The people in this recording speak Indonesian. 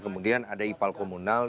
kemudian ada ipal komunal